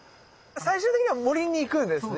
最終的には森に行くんですね。